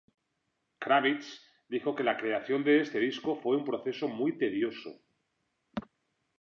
Kravitz dijo que la creación de este disco fue un proceso muy tedioso.